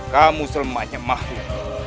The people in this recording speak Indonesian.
kamu semuanya makhluk